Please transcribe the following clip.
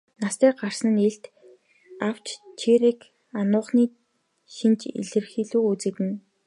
Нас дээр гарсан нь илт авч чийрэг ануухны шинж илэрхийеэ үзэгдэнэ.